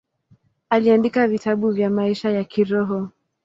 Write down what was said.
Aliandika vitabu vya maisha ya kiroho.